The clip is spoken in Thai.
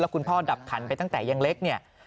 คุณพ่อดับขันไปตั้งแต่ยังเล็กเนี่ย